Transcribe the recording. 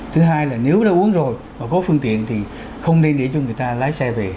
thứ hai là nếu đã uống rồi có phương tiện thì không nên để cho người ta lái xe về